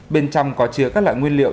bên trong có chứa các loại nguyên liệu